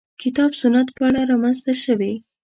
کتاب سنت په اړه رامنځته شوې.